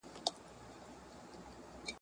سياست پوهنه د بشري ژوند لپاره يوه روښانه لاره ده.